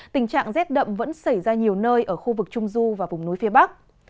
tình trạng rét đậm vẫn xảy ra nhiều nơi ở khu vực trung du và vùng núi phía bắc